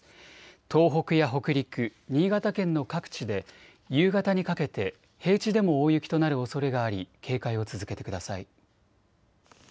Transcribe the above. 東北や北陸、新潟県の各地で夕方にかけて平地でも大雪となるおそれがあり警戒を続けてください。